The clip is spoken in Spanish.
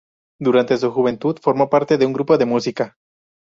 Durante su juventud formó parte de un grupo de música.